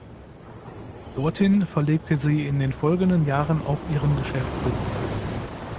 Dorthin verlegte sie in den folgenden Jahren auch ihren Geschäftssitz.